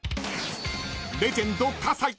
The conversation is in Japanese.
［レジェンド葛西］